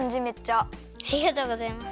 ありがとうございます。